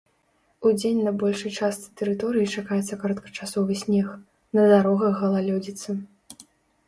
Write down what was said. Удзень на большай частцы тэрыторыі чакаецца кароткачасовы снег, на дарогах галалёдзіца.